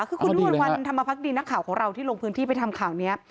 คือคุณวิมวลวันธรรมพักดีนักข่าวของเราที่ลงพื้นที่ไปทำข่าวนี้